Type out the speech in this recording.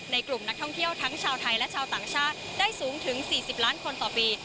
กลุ่มนักท่องเที่ยวทั้งชาวไทยและชาวต่างชาติได้สูงถึง๔๐ล้านคนต่อปี